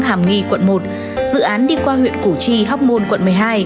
hàm nghi quận một dự án đi qua huyện củ chi hóc môn quận một mươi hai